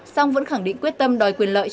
xong vẫn khẳng định quyết tâm đòi quyền lợi